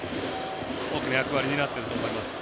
大きな役割担っていると思います。